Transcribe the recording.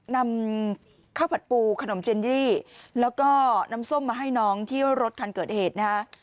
นำข้าวผัดปูขนมเจนยี่แล้วก็น้ำส้มมาให้น้องที่รถคันเกิดเหตุนะฮะ